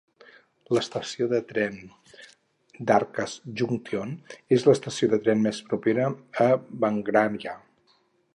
L'estació de tren d'Hathras Junction és l'estació de tren més propera a Baghraya.